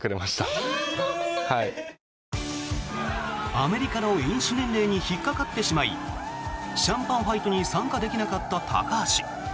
アメリカの飲酒年齢に引っかかってしまいシャンパンファイトに参加できなかった高橋。